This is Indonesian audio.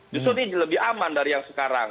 justru ini lebih aman dari yang sekarang